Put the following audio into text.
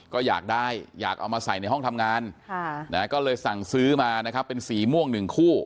ก็อยากได้อยากเอามาใส่ในห้องทำงานก็เลยสั่งซื้อมานะครับเป็นสีม่วงหนึ่งคู่